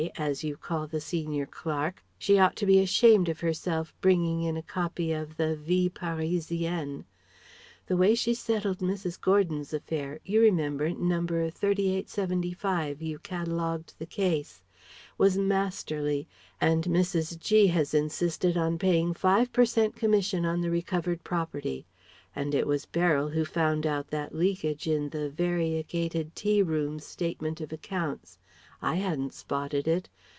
as you call the senior clerk she ought to be ashamed of herself, bringing in a copy of the Vie Parisienne. The way she settled Mrs. Gordon's affairs you remember, No. 3875 you catalogued the case was masterly; and Mrs. G. has insisted on paying 5 per cent. commission on the recovered property. And it was Beryl who found out that leakage in the 'Variegated Tea Rooms' statement of accounts. I hadn't spotted it.